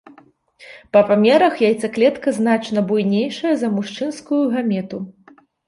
Па памерах яйцаклетка значна буйнейшая за мужчынскую гамету.